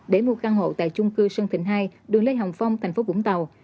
để mua căn hộ tại chung cư sơn thịnh hai đường lê hồng phong tp vũng tàu